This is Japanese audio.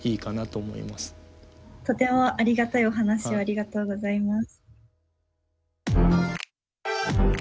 とてもありがたいお話をありがとうございます。